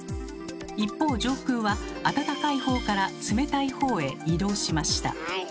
一方上空はあたたかいほうから冷たいほうへ移動しました。